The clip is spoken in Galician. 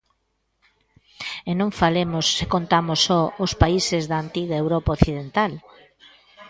E non falemos se contamos só os países da antiga Europa occidental.